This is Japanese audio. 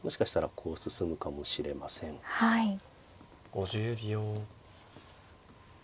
５０秒。